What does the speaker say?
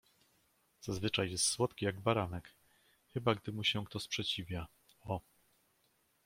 "zazwyczaj jest słodki jak baranek; chyba gdy mu się kto sprzeciwia, o!"